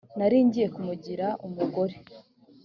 nari ngiye kumugira umugore.